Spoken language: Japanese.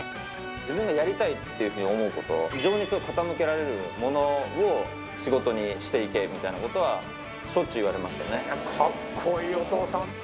自分がやりたいというふうに思うこと、情熱を傾けられるものを仕事にしていけみたいなことは、かっこいいお父さん。